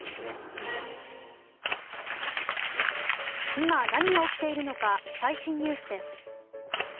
今、何が起きているのか最新ニュースです。